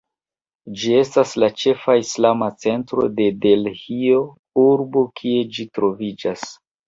Ĝi estas la ĉefa islama centro de Delhio, urbo kie ĝi troviĝas.